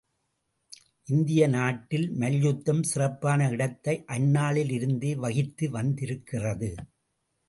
இந்திய நாட்டில் மல்யுத்தம் சிறப்பான இடத்தை அந்நாளில் இருந்தே வகித்து வந்திருக்கிறது.